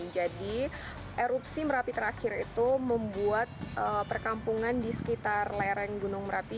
jadi erupsi merapi terakhir itu membuat perkampungan di sekitar lereng gunung merapi